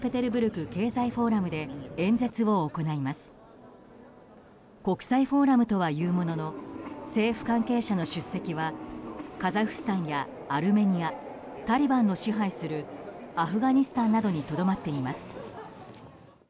国際フォーラムとはいうものの政府関係者の出席はカザフスタンやアルメニアタリバンの支配するアフガニスタンなどにとどまっています。